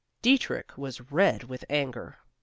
Dietrich was red with anger.